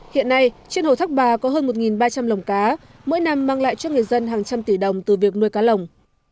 hiện nay trên hồ thác bà có hơn một ba trăm linh lồng cá mỗi năm mang lại cho người dân hàng trăm tỷ đồng từ việc nuôi cá lồng